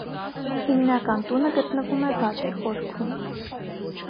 Հիմնական տունը գտնվում է բակի խորքում։